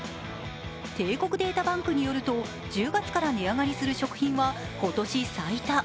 帝国データバンクによると、１０月から値上がりする食品は今年最多。